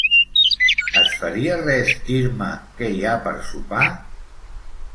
Et faria res dir-me què hi ha per sopar?